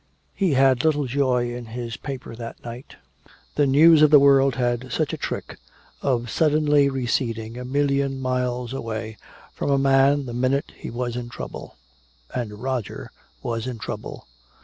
He had little joy in his paper that night. The news of the world had such a trick of suddenly receding a million miles away from a man the minute he was in trouble. And Roger was in trouble.